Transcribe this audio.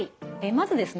まずですね